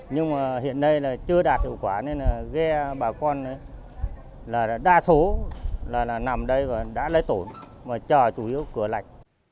nhưng mà hiện nay là chưa đạt hiệu quả nên là ghe bà con là đa số là nằm đây và đã lấy tổn mà chờ chủ yếu cửa lạch